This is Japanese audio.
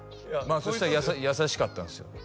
まあそしたら優しかったんですよ